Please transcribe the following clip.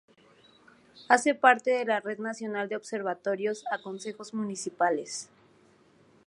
Hace parte de la Red Nacional de Observatorios a Concejos Municipales.